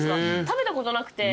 食べたことなくて。